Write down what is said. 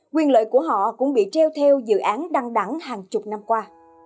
quyền lợi của họ cũng bị treo theo dự án đăng đẳng hàng chục năm qua